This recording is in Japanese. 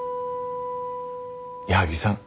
矢作さん。